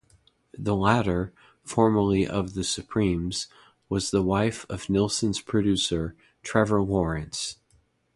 The latter, formerly of the Supremes, was the wife of Nilsson's producer, Trevor Lawrence.